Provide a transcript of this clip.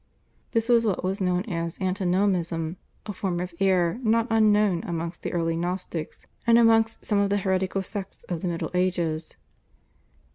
This is what was known as /Antinomism/, a form of error not unknown amongst the early Gnostics and amongst some of the heretical sects of the Middle Ages.